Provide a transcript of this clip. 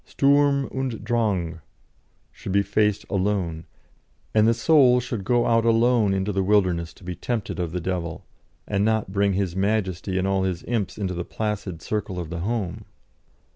Sturm und Drang should be faced alone, and the soul should go out alone into the wilderness to be tempted of the devil, and not bring his majesty and all his imps into the placid circle of the home.